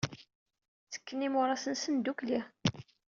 Ttekken imuras-nsen ddukkli.